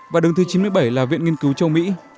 và đứng thứ chín mươi bảy là viện nghiên cứu châu mỹ